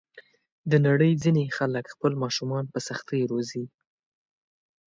د نړۍ ځینې خلک خپل ماشومان په سختۍ روزي.